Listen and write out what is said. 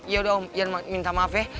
yaudah om iyan minta maaf ya